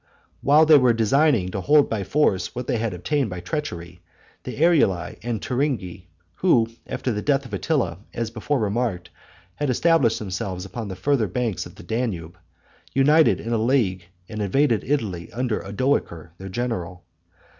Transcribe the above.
While they were designing to hold by force what they had obtained by treachery, the Eruli and the Turingi, who, after the death of Attila, as before remarked, had established themselves upon the farther bank of the Danube, united in a league and invaded Italy under Odoacer their general.